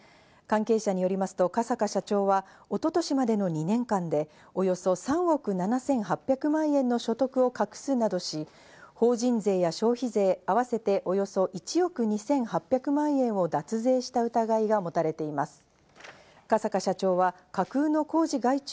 関係者によりますと、加坂社長は一昨年までの２年間でおよそ３億７８００万円の所得を隠すなどし、法人税や所得税、あわせておよそ１億２８００万円を脱税した疑いが持たれています。